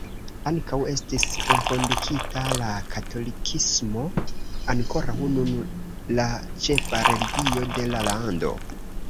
Ankaŭ estis enkondukita la katolikismo, ankoraŭ nun la ĉefa religio de la lando.